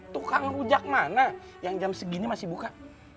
tukang rujak mana yang jam segini masih buka